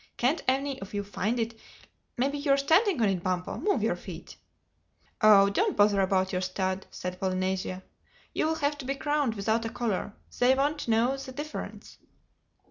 Can't any of you find it? Maybe you're standing on it, Bumpo. Move your feet." "Oh don't bother about your stud," said Polynesia. "You will have to be crowned without a collar. They won't know the difference."